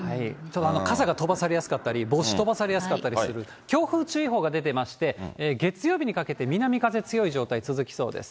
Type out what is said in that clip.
傘が飛ばされやすかったり、帽子飛ばされやすかったりする強風注意報が出ていまして、月曜日にかけて、南風強い状態続きそうです。